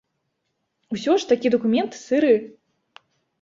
Усё ж такі дакумент сыры.